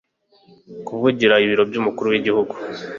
kuvugira ibiro by'Umukuru w'Igihugu.